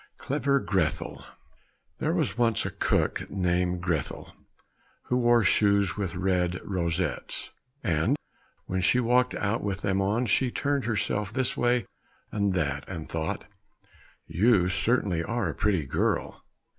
77 Clever Grethel There was once a cook named Grethel, who wore shoes with red rosettes, and when she walked out with them on, she turned herself this way and that, and thought, "You certainly are a pretty girl!"